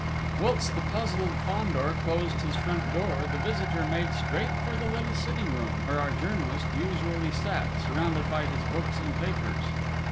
Whilst the puzzled Fandor closed his front door, the visitor made straight for the little sitting room, where our journalist usually sat, surrounded by his books and papers.